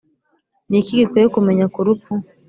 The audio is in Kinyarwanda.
ni iki gikwiye kumenya ku rupfu?